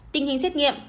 tình hình xét nghiệm